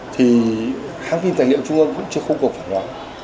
thì hãng phim tài liệu trung ương cũng chưa khung cổ phần hóa